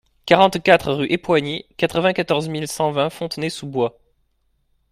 quarante-quatre rue Epoigny, quatre-vingt-quatorze mille cent vingt Fontenay-sous-Bois